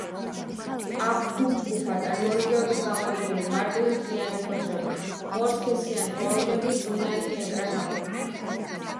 აქვთ ჯგუფ-ჯგუფად ან მორიგეობით განლაგებული მარტივი, მთლიანი ფოთლები, ორსქესიანი ყვავილები, წვნიანი კენკრა ნაყოფი.